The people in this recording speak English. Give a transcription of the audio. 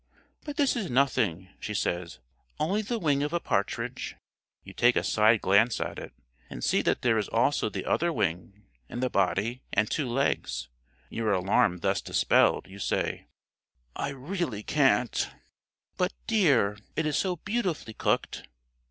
"But this is nothing," she says, "only the wing of a partridge." You take a side glance at it, and see that there is also the other wing and the body and two legs. Your alarm thus dispelled, you say: "I really can't." "But, dear, it is so beautifully cooked."